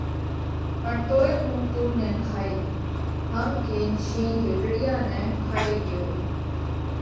پڻ توئي هُون تُون نئہ کائِيه۔ هم ڪينَ شِينه گھيٽڙيا نئہ کائي ڳيو۔